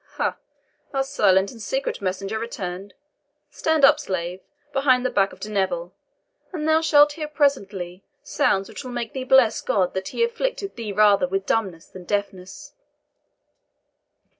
"Ha, our silent and secret messenger returned? Stand up, slave, behind the back of De Neville, and thou shalt hear presently sounds which will make thee bless God that He afflicted thee rather with dumbness than deafness."